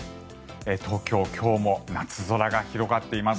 東京、今日も夏空が広がっています。